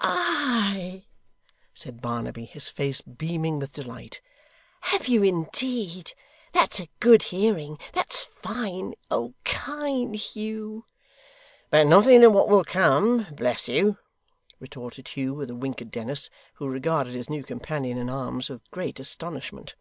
'Ay!' said Barnaby, his face beaming with delight: 'have you indeed? That's a good hearing. That's fine! Kind Hugh!' 'But nothing to what will come, bless you,' retorted Hugh, with a wink at Dennis, who regarded his new companion in arms with great astonishment.